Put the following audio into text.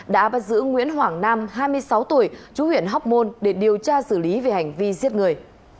đã bắt giữ nguyễn hoàng nam hai mươi sáu tuổi chú huyện hóc môn để điều tra xử lý về hành vi giết người